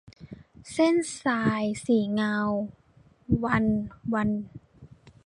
เส้นทรายสีเงา - วรรณวรรธน์